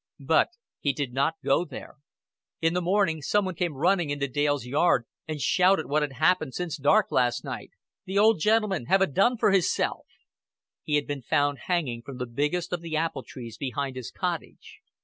But he did not go there. In the morning some one came running into Dale's yard, and shouted what had happened since dark last night. "Th' old gentleman hev a done fer hisself." He had been found hanging from the biggest of the apple trees behind his cottage.